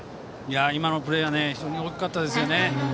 今のプレーは非常に大きかったですよね。